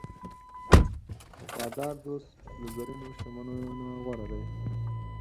وفادار دوست له زرینو شتمنیو نه غوره دی.